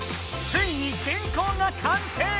ついに原稿が完成！